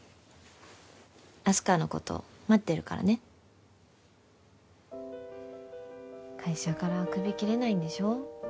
あす花のこと待ってるからね会社からクビ切れないんでしょ？